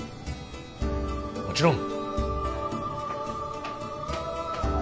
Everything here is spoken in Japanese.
もちろん。